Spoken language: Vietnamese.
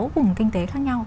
sáu vùng kinh tế khác nhau